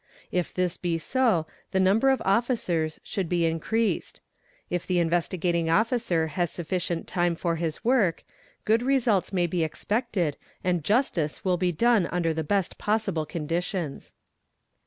If this be so, the number of officers should be increased. If the Investigating Officer has sufficient time for his work, : good results may be expected and justice will' be done under the best possible conditions.